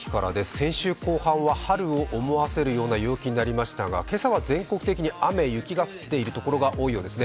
先週後半は春を思わせるような陽気になりましたが今朝は全国的に雨・雪が降っているところが多いようですね。